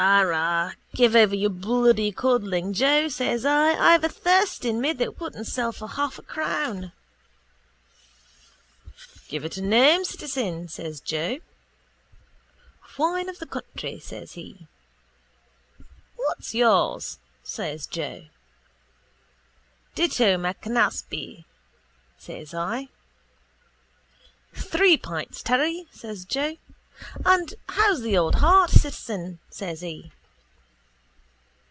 —Arrah, give over your bloody codding, Joe, says I. I've a thirst on me I wouldn't sell for half a crown. —Give it a name, citizen, says Joe. —Wine of the country, says he. —What's yours? says Joe. —Ditto MacAnaspey, says I. —Three pints, Terry, says Joe. And how's the old heart, citizen? says he.